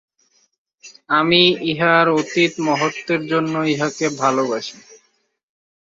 আমি ইহার অতীত মহত্ত্বের জন্য ইহাকে ভালবাসি।